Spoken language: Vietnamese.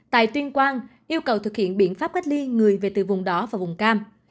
tại tuyên quang yêu cầu thực hiện biện pháp cách ly người về từ vùng đỏ và vùng cam